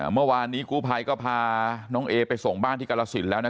เมื่อวานนี้กู้ภรรย์ก็พานังเอ๊ไปส่งบ้านที่กรศิลป์แล้วนะ